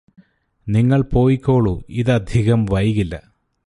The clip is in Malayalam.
നിങ്ങള് പോയിക്കോളു ഇതധികം വൈകില്ലാ